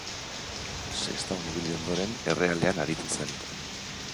Sestaon ibili ondoren, Errealean aritu zen.